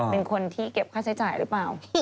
เป็นคนที่เก็บค่าใช้จ่ายหรือเปล่า